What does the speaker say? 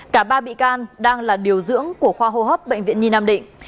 cả ba bị can đang là điều dưỡng của khoa hô hấp bệnh viện nhi nam định